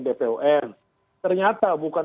bpom ternyata bukan